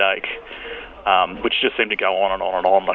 dan dapat termasuk timbulnya demam yang tiba tiba berubah